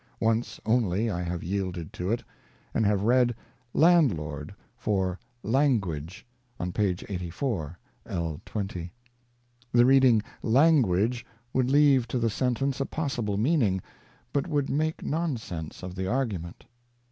Once only I have yielded to it ; and have read ' landlord ' for ' language ' on p. 84, 1. 20. The reading ' language ' would leave to the sentence a possible meaning, but would make nonsense of the argument.